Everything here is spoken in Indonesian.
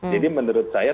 jadi menurut saya